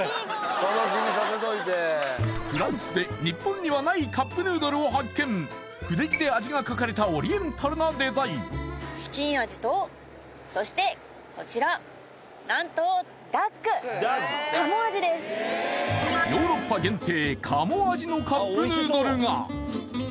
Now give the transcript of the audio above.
フランスで日本にはないカップヌードルを発見筆字で味が書かれたオリエンタルなデザインそしてこちら何とヨーロッパ限定